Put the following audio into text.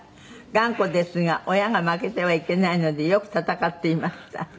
「頑固ですが親が負けてはいけないのでよく戦っていました」